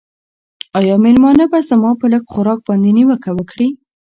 آیا مېلمانه به زما په لږ خوراک باندې نیوکه وکړي؟